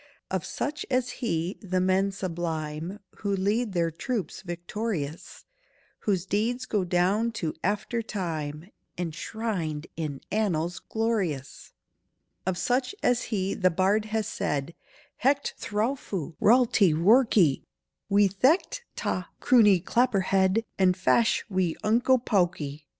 Of such as he, the men sublime Who lead their troops victorious, Whose deeds go down to after time, Enshrined in annals glorious! "Of such as he the bard has said 'Hech thrawfu' raltie rorkie! Wi' thecht ta' croonie clapperhead And fash' wi' unco pawkie!